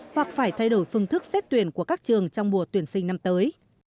hoặc phải thay đổi phương thức xét tuyển của các trường trong mùa tuyển sinh năm tới